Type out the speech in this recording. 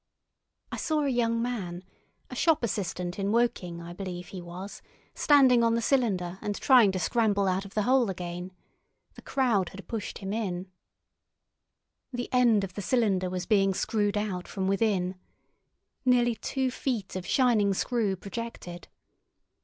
I saw a young man, a shop assistant in Woking I believe he was, standing on the cylinder and trying to scramble out of the hole again. The crowd had pushed him in. The end of the cylinder was being screwed out from within. Nearly two feet of shining screw projected.